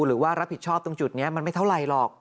หรือว่ารับผิดชอบตรงจุดนี้มันไม่เท่าไหร่หรอก